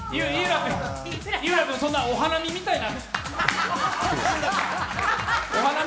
井浦君、そんなお花見みたいな。